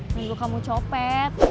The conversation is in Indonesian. yang dulu kamu copet